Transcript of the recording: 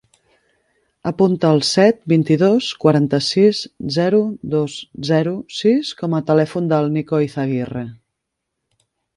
Apunta el set, vint-i-dos, quaranta-sis, zero, dos, zero, sis com a telèfon del Nico Eizaguirre.